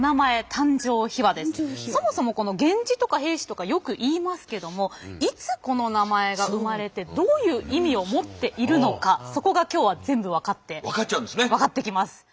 そもそも源氏とか平氏とかよく言いますけどもいつこの名前が生まれてどういう意味を持っているのかそこが今日は全部分かってきます。